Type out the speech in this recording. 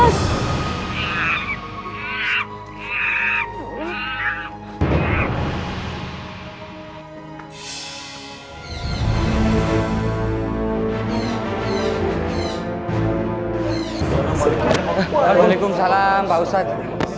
assalamualaikum salam pak ustadz